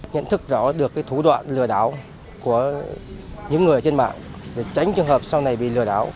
nhận thức rõ được thủ đoạn lừa đảo của những người trên mạng để tránh trường hợp sau này bị lừa đảo